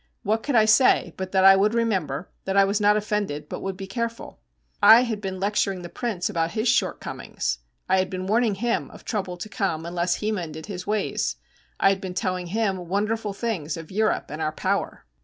What could I say but that I would remember, that I was not offended, but would be careful? I had been lecturing the prince about his shortcomings; I had been warning him of trouble to come, unless he mended his ways; I had been telling him wonderful things of Europe and our power.